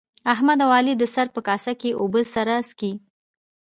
احمد او علي د سر په کاسه کې اوبه سره څښي.